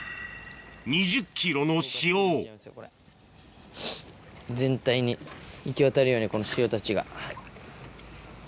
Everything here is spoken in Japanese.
２０ｋｇの塩を全体に行き渡るようにこの塩たちが。